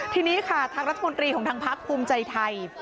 ทีนี้ค่ะทางรัฐมนตรีของทางพักภูมิใจไทย